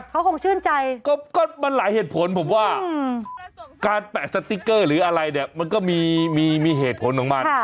เพราะก็มีหลายเหตุผลผมว่าการแปะสติ๊กเกอร์หรืออะไรมันก็มีเหตุผลมาก